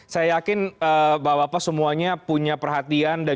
saya yakin bapak bapak semuanya punya perhatian